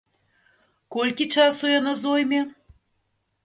Колькі часу яна зойме?